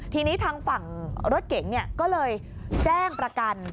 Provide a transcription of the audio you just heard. ทีนี้ทางฝั่งรถเก๋งก็เลยแจ้งประกัน